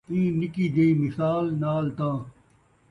اِیں نِکّی جہی مثال نال تاں